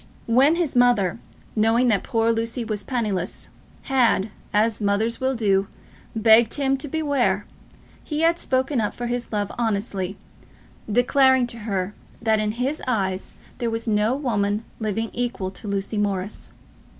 When his mother, knowing that poor Lucy was penniless, had, as mothers will do, begged him to beware, he had spoken up for his love honestly, declaring to her that in his eyes there was no woman living equal to Lucy Morris.